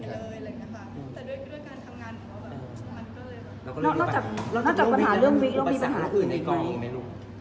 นอกจากปัญหาเรื่องวิงแล้วมีปัญหาอื่นแบบไหน